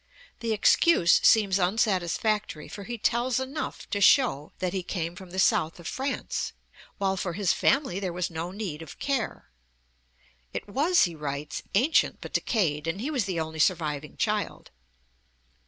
The excuse seems unsatisfactory, for he tells enough to shew that he came from the South of France, while for his family there was no need of care. It was, he writes, 'ancient but decayed,' and he was the only surviving child.